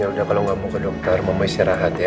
yaudah kalo gak mau ke dokter mama isi rahat ya